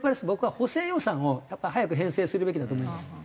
僕は補正予算をやっぱり早く編成するべきだと思います。